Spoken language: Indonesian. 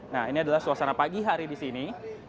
nah ini adalah suasana pagi hari di sini